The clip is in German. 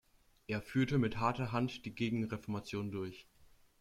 Er führte mit harter Hand die Gegenreformation durch.